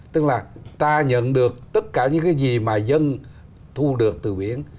tức là ta nhận được tất cả những cái gì mà dân thu được từ biển